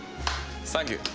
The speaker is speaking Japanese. サンキュー！